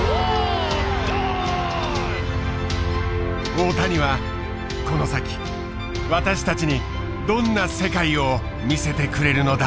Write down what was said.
大谷はこの先私たちにどんな世界を見せてくれるのだろうか。